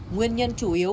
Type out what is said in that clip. nguyên nhân chủ yếu